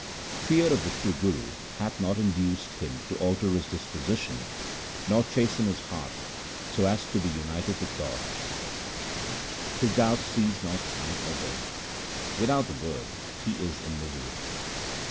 Fear of the true Guru hath not induced him to alter his disposition or chasten his heart so as to be united with God. His doubts cease not night or day ; without the Word he is in misery.